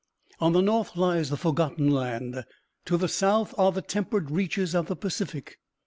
On the north lies the Forgotten Land, to the south are the tempered reaches of the Pacific.